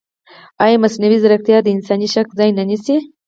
ایا مصنوعي ځیرکتیا د انساني شک ځای نه نیسي؟